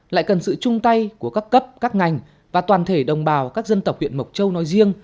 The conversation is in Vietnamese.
lại cần sự chung tay của các cấp các ngành và toàn thể đồng bào các dân tộc huyện mộc châu nói riêng